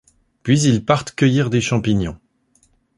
Puis, ils partent cueillir des champignons.